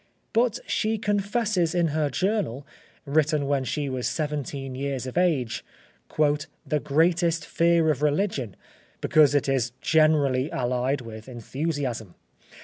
But she confesses in her journal, written when she was seventeen years of age, "the greatest fear of religion" because it is generally allied with enthusiasm.